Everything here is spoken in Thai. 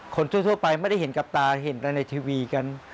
คนทั่วไปไม่ได้เห็นกับตาเห็นอะไรในทีวีกัน